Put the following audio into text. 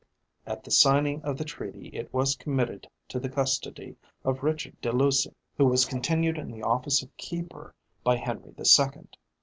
At the signing of the treaty it was committed to the custody of Richard de Lucy, who was continued in the office of keeper by Henry the Second.